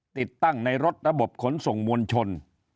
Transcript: ติดตั้งในรถระบบขนส่งมวลชน